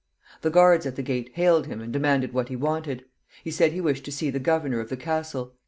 The guards at the gate hailed him and demanded what he wanted. He said he wished to see the governor of the castle.